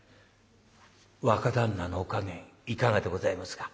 「若旦那のお加減いかがでございますか？」。